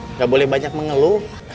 nggak boleh banyak mengeluh